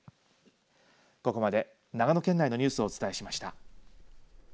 ここまで長野県内のニュースをお伝えしました。